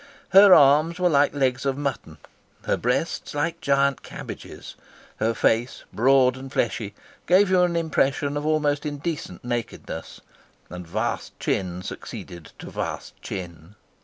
Her arms were like legs of mutton, her breasts like giant cabbages; her face, broad and fleshy, gave you an impression of almost indecent nakedness, and vast chin succeeded to vast chin.